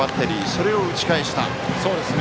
それを打ち返した。